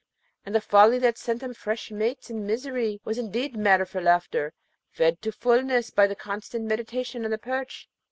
and the folly that sent them fresh mates in misery was indeed matter for laughter, fed to fulness by constant meditation on the perch.